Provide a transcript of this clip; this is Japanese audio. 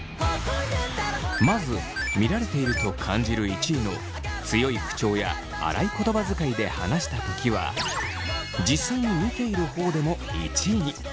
まず見られていると感じる１位の強い口調や荒い言葉遣いで話したときは実際に見ている方でも１位に。